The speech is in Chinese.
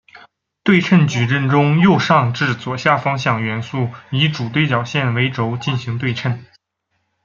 对称矩阵中的右上至左下方向元素以主对角线为轴进行对称。